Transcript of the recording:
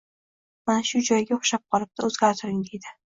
mana shu joyiga o’xshab qolibdi, o’zgartiring”, deydi.